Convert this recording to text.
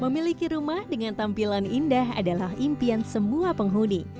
memiliki rumah dengan tampilan indah adalah impian semua penghuni